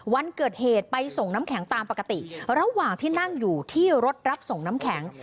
วันเกิดเหตุไปส่งน้ำแข็งตามปกติระหว่างที่นั่งอยู่ที่รถรับส่งน้ำแข็ง